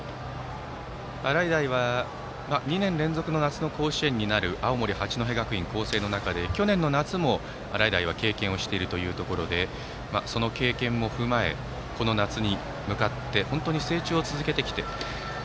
洗平は２年連続の夏の甲子園となる八戸学院光星の中で去年の夏も経験しているというところでその経験も踏まえて夏に向かって成長を続けてきて。